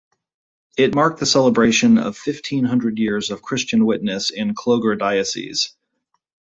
It marked the celebration of fifteen hundred years of Christian witness in Clogher Diocese.